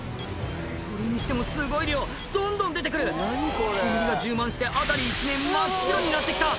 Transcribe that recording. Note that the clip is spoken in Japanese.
それにしてもすごい量どんどん出て来る煙が充満して辺り一面真っ白になって来た